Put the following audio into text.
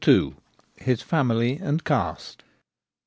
HIS FAMILY AND CASTE.